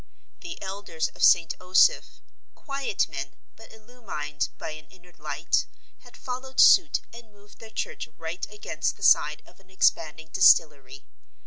The elders of St. Osoph, quiet men, but illumined by an inner light, had followed suit and moved their church right against the side of an expanding distillery.